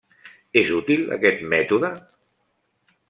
És útil aquest mètode?